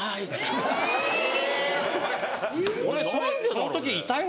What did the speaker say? その時いたような。